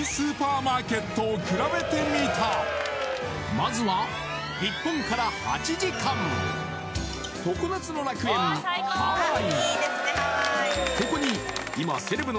まずは日本から８時間、常夏の楽園、ハワイ。